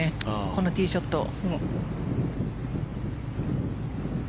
このティーショットを。